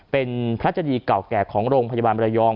เป็นพระเจดีเก่าแก่ของโรงพยาบาลมรยอง